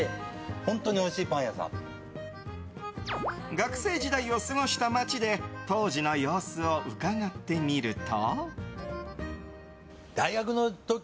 学生時代を過ごした街で当時の様子を伺ってみると。